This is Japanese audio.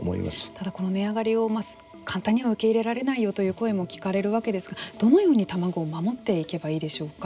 ただ、この値上がりを簡単には受け入れられないよという声も聞かれるわけですがどのように卵を守っていけばいいでしょうか。